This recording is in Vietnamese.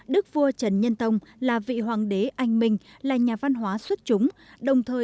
đức vua trần nhân tông là vị hoàng đế anh mình là nhà văn hóa xuất chúng